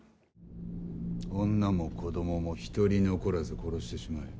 女も子供も１人残らず殺してしまえ！